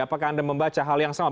apakah anda membaca hal yang sama